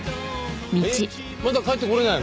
えっまだ帰ってこれないの？